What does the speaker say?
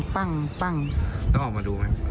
ต้องออกมาดูไหม